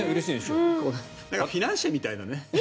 フィナンシェみたいだね。